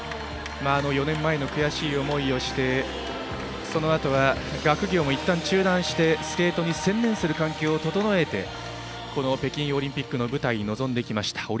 ４年前、悔しい思いをしてそのあとは学業もいったん中断してスケートに専念する環境を整えてこの北京オリンピックの舞台に臨んできました。